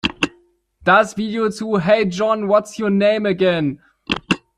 Das Video zu "Hey John, What’s Your Name Again?